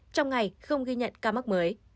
trong ngày không ghi nhận ca mắc mới